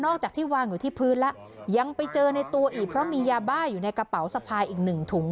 จากที่วางอยู่ที่พื้นแล้วยังไปเจอในตัวอีกเพราะมียาบ้าอยู่ในกระเป๋าสะพายอีกหนึ่งถุง